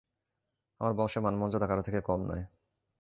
আমার বংশের মান মর্যাদা কারো থেকে কম নয়।